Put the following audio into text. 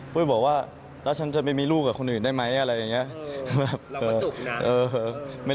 บอกว่าแล้วฉันจะไม่มีลูกกับคนอื่นได้ไหมอะไรอย่างนี้